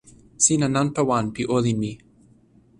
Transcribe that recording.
sina nanpa wan pi olin mi.